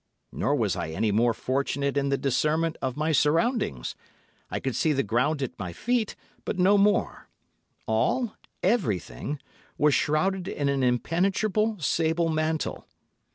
Nor was I any more fortunate in the discernment of my surroundings; I could see the ground at my feet, but no more; all—everything—was shrouded in an impenetrable, sable mantle.